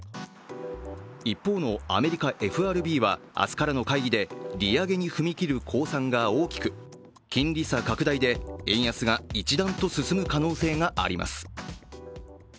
一方のアメリカＦＲＢは明日からの会議で利上げに踏み切る公算が大きく、金利差拡大で円安が一段と進む可能性があります。